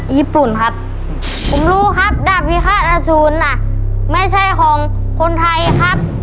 ญี่ปุ่นครับผมรู้ครับดาบวิฆาตอสูรน่ะไม่ใช่ของคนไทยครับ